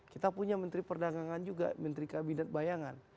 kita punya menteri perdagangan juga menteri kabinet bayangan